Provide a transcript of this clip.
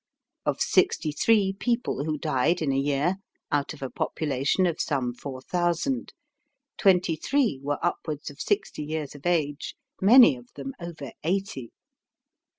Of sixty three people who died in a year out of a population of some four thousand, twenty three were upwards of sixty years of age, many of them over eighty.